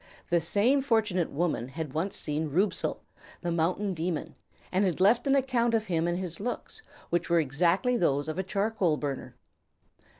The same fortunate woman had once seen Rubesal, the mountain demon, and had left an account of him and his looks, which were exactly those of a charcoal burner.